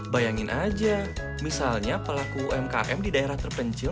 bayangin aja misalnya pelaku umkm di daerah terpencil